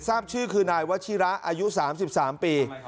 ทราบชื่อคือนายวัชิระอายุ๓๓ปี